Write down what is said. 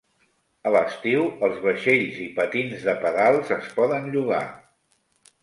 A l'estiu, els vaixells i patins de pedals es poden llogar.